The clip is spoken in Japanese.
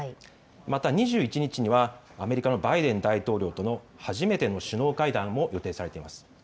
また２１日にはアメリカのバイデン大統領との初めての首脳会談も予定されています。